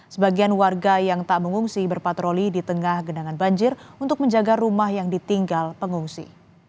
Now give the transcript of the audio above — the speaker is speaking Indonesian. sebagian warga yang tak mengungsi berpatroli di tengah genangan banjir untuk menjaga rumah yang ditinggal pengungsi